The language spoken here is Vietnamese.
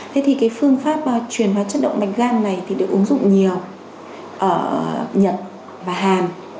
thế thì cái phương pháp truyền vào chất động mạch gan này thì được ứng dụng nhiều ở nhật và hàn